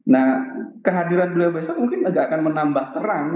nah kehadiran beliau besok mungkin agak akan menambah terang